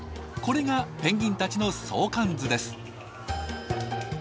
これがペンギンたちの相関図です。